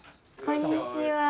こんにちは。